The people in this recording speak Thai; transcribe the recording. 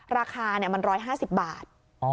ราคามัน๑๕๐บาท